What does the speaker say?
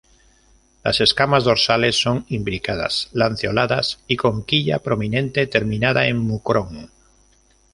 Las escamas dorsales son imbricadas, lanceoladas y con quilla prominente terminada en mucrón.